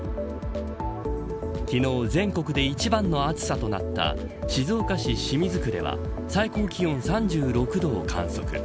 昨日、全国で一番の暑さとなった静岡市清水区では最高気温３６度を観測。